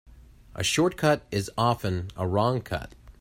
A short cut is often a wrong cut.